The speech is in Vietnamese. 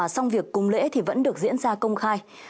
xong việc cúng lễ thì vẫn được diễn ra công khai